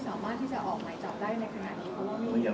เห็นตำรวจว่าไม่สามารถที่จะออกใหม่จับได้